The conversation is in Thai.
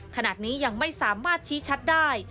ขณะนี้ยังไม่สามารถชี้ชัดได้